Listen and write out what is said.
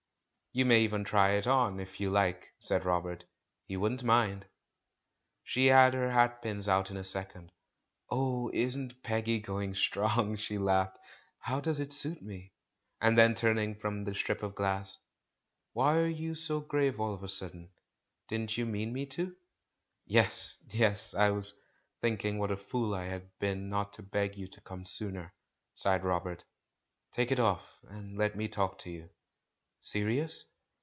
"You may even try it on, if you like," said Robert; "he wouldn't mind." She had her hat pins out in a second. "Oh, isnt Peggy going strong!" she laughed. "How does it suit me?" And then turning from the strip of glass, "Why are you so grave all of a sudden? Didn't you mean me to?" "Yes, yes; I was thinking what a fool I had been not to beg you to come sooner," sighed Rob ert. "Take it off, and let me talk to you." "Serious?"